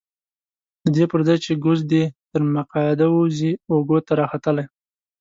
ددې پرځای چې ګوز دې تر مکعده ووځي اوږو ته راختلی.